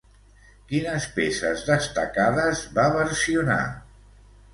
Quines peces destacades va versionar?